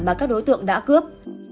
mà các đối tượng đã cướp